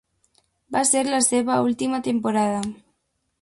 Va ser la seva última temporada.